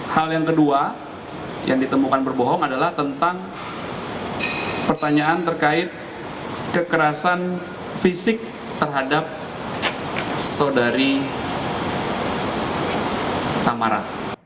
hal yang kedua yang ditemukan berbohong adalah tentang pertanyaan terkait kekerasan fisik terhadap saudari tamara